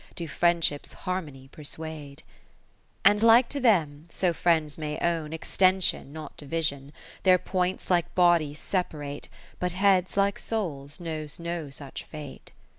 Do friendship's harmony persuade. XIII And like to them, so friends may own Extension, not division : 50 Their points, like bodies, separate ; But head, like souls, knows no such fate.